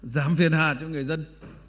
giảm phiền hạ cho người dân